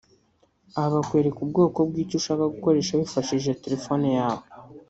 aha bakwereka ubwoko bw’icyo ushaka gukoresha wifashishije telefone yawe